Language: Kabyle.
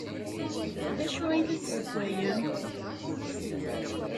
D acu ay la d-tessewwayem?